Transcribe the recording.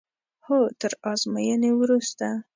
هو تر ازموینې وروسته.